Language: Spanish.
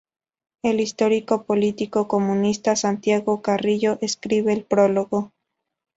El histórico político comunista Santiago Carrillo escribió el prólogo.